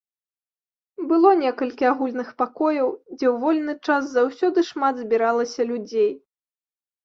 Было некалькі агульных пакояў, дзе ў вольны час заўсёды шмат збіралася людзей.